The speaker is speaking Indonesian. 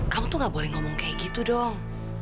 kamu tuh gak boleh ngomong kayak gitu dong